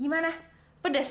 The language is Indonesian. pika pika khasnya pedas